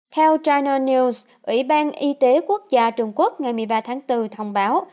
theo china news ủy ban y tế quốc gia trung quốc ngày một mươi ba tháng bốn thông báo